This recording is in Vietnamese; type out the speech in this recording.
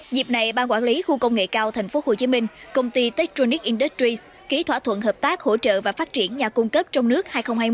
dịp này ban quản lý khu công nghệ cao tp hcm công ty tectronic industries ký thỏa thuận hợp tác hỗ trợ và phát triển nhà cung cấp trong nước hai nghìn hai mươi